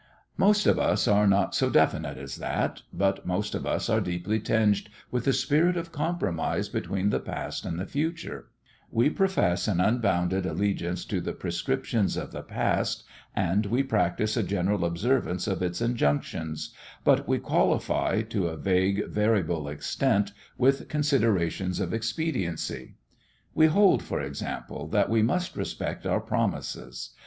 Most of us are not so definite as that, but most of us are deeply tinged with the spirit of compromise between the past and the future; we profess an unbounded allegiance to the prescriptions of the past, and we practise a general observance of its injunctions, but we qualify to a vague, variable extent with considerations of expediency. We hold, for example, that we must respect our promises.